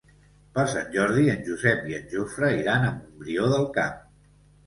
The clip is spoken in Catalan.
Per Sant Jordi en Josep i en Jofre iran a Montbrió del Camp.